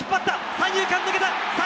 三遊間抜けた。